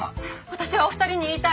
私はお二人に言いたい！